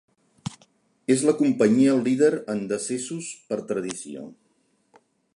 És la companyia líder en decessos per tradició.